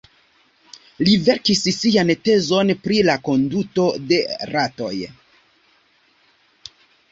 Li verkis sian tezon pri la konduto de ratoj.